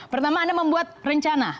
pertama anda membuat rencana